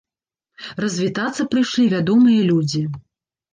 Развітацца прыйшлі вядомыя людзі.